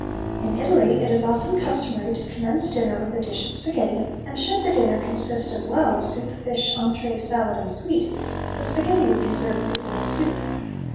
In Italy it is often customary to commence dinner with a dish of sparghetti, and should the dinner consist as well of soup, fish, entree, salad, and sweet, the sparghetti would be served before the soup.